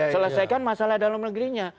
selesaikan masalah dalam negerinya